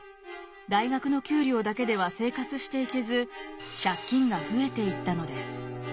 大学の給料だけでは生活していけず借金が増えていったのです。